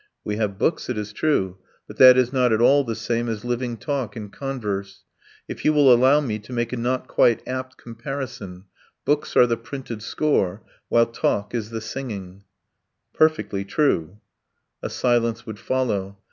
We have books, it is true, but that is not at all the same as living talk and converse. If you will allow me to make a not quite apt comparison: books are the printed score, while talk is the singing." "Perfectly true." A silence would follow.